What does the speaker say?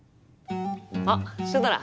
あっシュドラ！